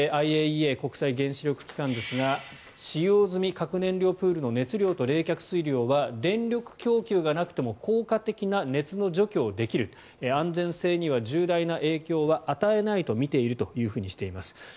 ＩＡＥＡ・国際原子力機関ですが使用済み核燃料プールの熱量と冷却水量は電力供給がなくても効果的な熱の除去ができる安全性には重大な影響は与えないと見ているとしています。